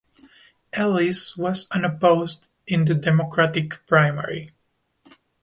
Ellis was unopposed in the Democratic primary.